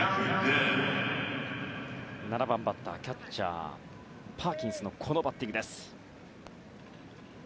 ７番バッターキャッチャーのパーキンスのバッティングでした。